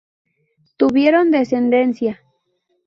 Tuvieron descendencia.